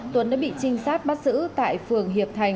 tuấn đã bị trinh sát bắt giữ tại phường nguyễn châu thành